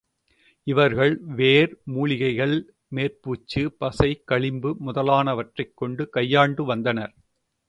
இவர்கள் வேர், மூலிகைகள், மேற் பூச்சு, பசை, களிம்பு முதலானவற்றைக் கொண்டு கையாண்டு வந்தனர்.